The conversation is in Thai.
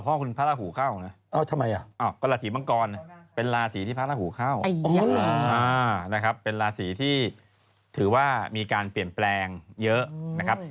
พ่อคุณพระราหูเข้านะก็ราศีมังกรเป็นราศีที่พระราหูเข้านะครับเป็นราศีที่ถือว่ามีการเปลี่ยนแปลงเยอะนะครับ